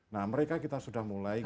nah mereka kita sudah mulai